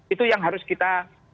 itu yang harus kita